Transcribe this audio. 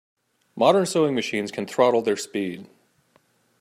Modern sewing machines can throttle their speed.